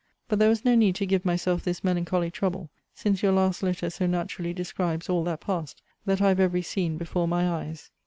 But there was no need to give myself this melancholy trouble, since your last letter so naturally describes all that passed, that I have every scene before my eyes.